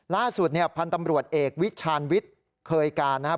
ล่าสุดเนี่ยพันธ์ตำรวจเอกวิชาณวิทย์เคยการนะครับ